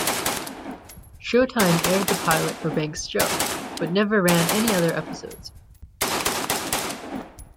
Showtime aired the pilot for Banks' show, but never ran any other episodes.